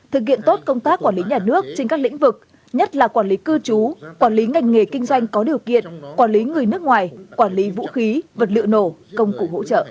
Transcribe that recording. thực hiện tốt công tác quản lý nhà nước trên các lĩnh vực nhất là quản lý cư trú quản lý ngành nghề kinh doanh có điều kiện quản lý người nước ngoài quản lý vũ khí vật liệu nổ công cụ hỗ trợ